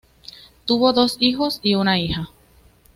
Tuvo dos hijos y una hija.